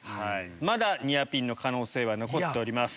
まだニアピンの可能性は残っております。